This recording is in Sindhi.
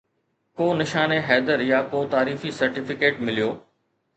ڪو نشان حيدر يا ڪو تعريفي سرٽيفڪيٽ مليو